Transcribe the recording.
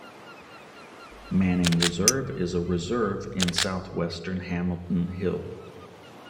Manning Reserve is a reserve in southwestern Hamilton Hill.